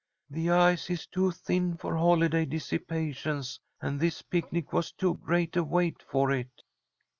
The ice is too thin for holiday dissipations, and this picnic was too great a weight for it."